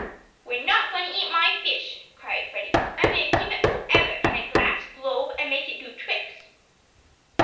"We're not going to eat my fish!" cried Freddie. "I'm going to keep it forever, in a glass globe, and make it do tricks!"